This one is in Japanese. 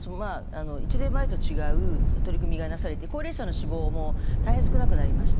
１年前と違う取り組みがなされて高齢者の死亡も大変少なくなりました。